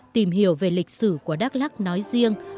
tìm hiểu về lịch sử của đắk lắc nói riêng